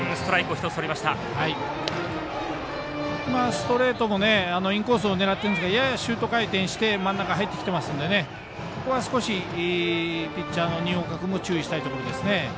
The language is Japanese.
ストレートもインコースを狙ってるんですけどややシュート回転して真ん中、入ってきていますのでここは少しピッチャーの新岡君も注意したいところですね。